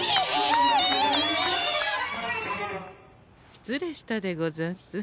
失礼したでござんす。